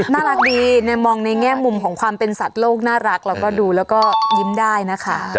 น่ารักดีในมองในแง่มุมของความเป็นสัตว์โลกน่ารักแล้วก็ดูแล้วก็ยิ้มได้นะคะ